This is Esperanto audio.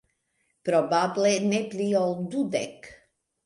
Probable ne pli ol dudek.